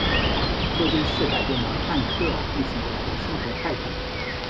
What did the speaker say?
这件事改变了汉克一直以来的生活态度。